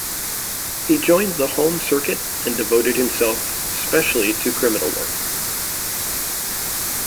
He joined the home circuit, and devoted himself specially to criminal work.